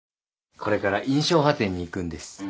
これから『印象派展』に行くんです。